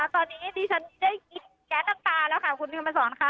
ตอนนี้ที่ฉันได้ยินแก๊สตางค์ตาแล้วค่ะคุณเขมรสองค่ะ